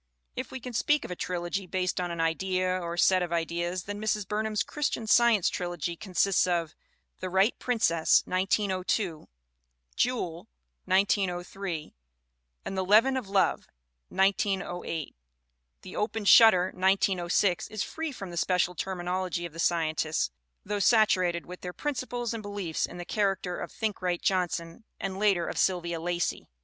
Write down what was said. If we can speak of a trilogy based on an idea or set of ideas then Mrs. Burnham's Christian Science trilogy consists of The Right Prin cess (1902), Jewel (1903) and The Leaven of Love (1908). The Opened Shutters (1906) is free from the special terminology of the Scientists, though satu rated with their principles and beliefs in the charac ter of Thinkright Johnson and later of Sylvia Lacey.